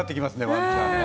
ワンちゃんね。